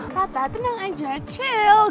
tata tenang aja chill